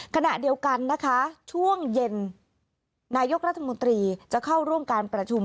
ขณะเดียวกันนะคะช่วงเย็นนายกรัฐมนตรีจะเข้าร่วมการประชุม